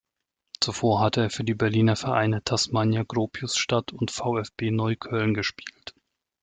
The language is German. Zuvor hatte er für die Berliner Vereine Tasmania Gropiusstadt und VfB Neukölln gespielt.